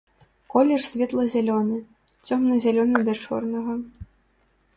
Колер светла-зялёны, цёмна-зялёны да чорнага.